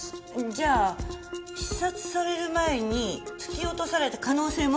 じゃあ刺殺される前に突き落とされた可能性もあるって事ね？